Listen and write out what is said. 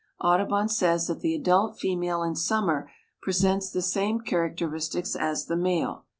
Audubon says that the adult female in summer presents the same characteristics as the male.